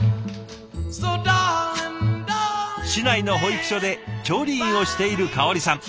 市内の保育所で調理員をしている香織さん。